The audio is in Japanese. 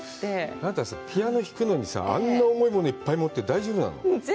あなた、ピアノを弾くのにさぁ、あんな重いものいっぱい持って大丈夫なの？